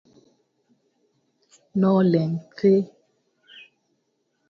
Noling thii.